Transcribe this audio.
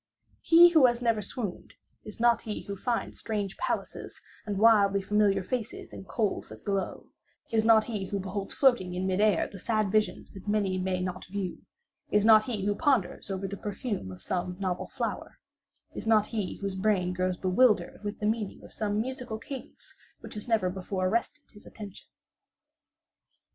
He who has never swooned, is not he who finds strange palaces and wildly familiar faces in coals that glow; is not he who beholds floating in mid air the sad visions that the many may not view; is not he who ponders over the perfume of some novel flower; is not he whose brain grows bewildered with the meaning of some musical cadence which has never before arrested his attention.